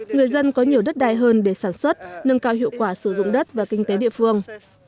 người dân có nhiều đất đai hơn để sản xuất nâng cao hiệu quả sử dụng đất và kinh tế địa phương